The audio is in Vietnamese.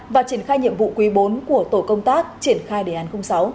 và triển khai nhiệm vụ quý bốn của tổ công tác triển khai đề án sáu